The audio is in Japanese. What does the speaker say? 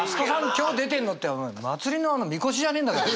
今日出てんぞ」ってお前祭りのみこしじゃねえんだから！